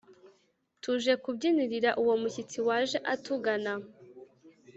tuje kubyinirira uwo mushyitsi waje atugana